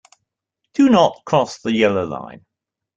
Do not cross the yellow line.